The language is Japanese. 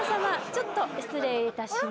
ちょっと失礼いたします。